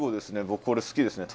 僕これ好きですね。